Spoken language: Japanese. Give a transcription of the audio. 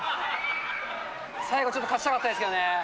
最後ちょっと勝ちたかったですけどね。